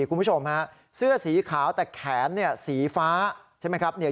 คุณผู้ชมฮะเสื้อสีขาวแต่แขนสีฟ้าใช่ไหมครับ